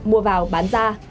mua vào bán ra